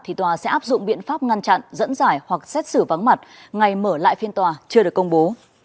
thì tòa sẽ áp dụng biện pháp ngăn chặn dẫn giải hoặc xét xử vắng mặt ngay mở lại phiên tòa chưa được công bố